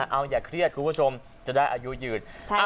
เอาอย่าเครียดคุณผู้ชมจะได้อายุยืน